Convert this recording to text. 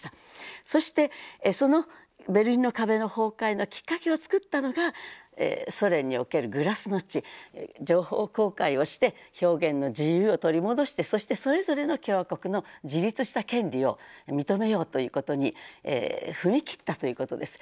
そしてそのベルリンの壁の崩壊のきっかけを作ったのがソ連におけるグラスノスチ情報公開をして表現の自由を取り戻してそしてそれぞれの共和国の自立した権利を認めようということに踏み切ったということです。